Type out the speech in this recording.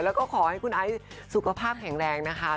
แล้วก็ขอให้คุณไอซ์สุขภาพแข็งแรงนะคะ